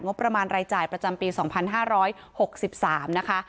งบประมาณรายจ่ายประจำปีสองพันห้าร้อยหกสิบสามนะคะ